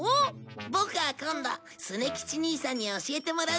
ボクは今度スネ吉兄さんに教えてもらうって約束したんだ。